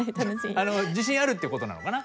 あの自信あるって事なのかな？